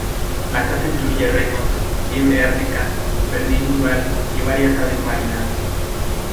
La caza incluye renos, liebre ártica, perdiz nival y varias aves marinas.